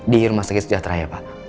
di rumah sakit sejahtera ya pak